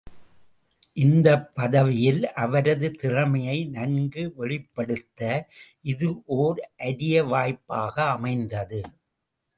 இந்தப் பதவியில், அவரது திறமையை நன்கு வெளிப்படுத்த இது ஓர் அரிய வாய்ப்பாக அமைந்தது.